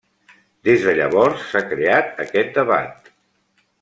Des de llavors s'ha creat aquest debat.